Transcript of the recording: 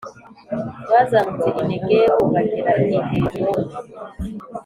Bazamutse i Negebu g bagera i Heburoni